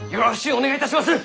お願いいたします！